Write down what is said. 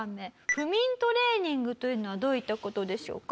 不眠トレーニングというのはどういった事でしょうか？